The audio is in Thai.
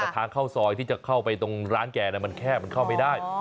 แต่ทางเข้าซอยที่จะเข้าไปตรงร้านแกมันแคบมันเข้าไม่ได้